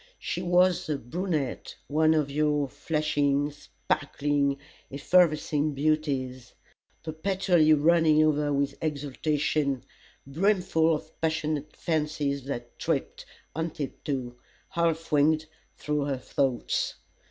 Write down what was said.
She was the brunette one of your flashing, sparkling, effervescing beauties, perpetually running over with exultation brimful of passionate fancies that tripped, on tiptoe, half winged, through her thoughts.